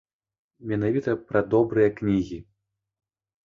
Менавіта пра добрыя кнігі.